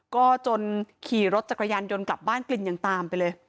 ก็จนขี่รถจักรยานยนต์กลับบ้านกลิ่นยังตามไปเลย